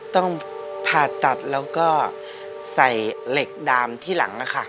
ต้องผ่าตัดแล้วก็ใส่เหล็กดามที่หลังนะคะ